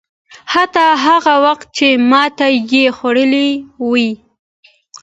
حتی هغه وخت چې ماته یې خوړلې وي.